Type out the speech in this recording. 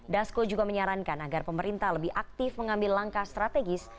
dasko juga menyarankan agar pemerintah lebih aktif mengambil langkah strategis